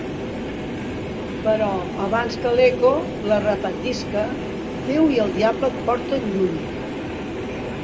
Però abans que l'eco la repetisca, Déu i el diable et porten lluny!